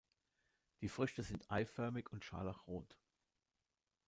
Die Früchte sind eiförmig und scharlachrot.